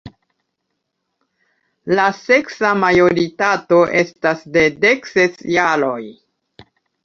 La seksa majoritato estas de dekses jaroj.